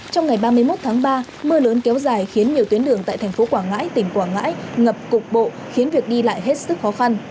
trong ngày ba mươi một tháng ba mưa lớn kéo dài khiến nhiều tuyến đường tại thành phố quảng ngãi tỉnh quảng ngãi ngập cục bộ khiến việc đi lại hết sức khó khăn